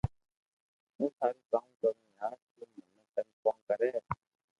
ھون ٿارو ڪاوُ ڪرو يار تو منو تنگ ڪو ڪرو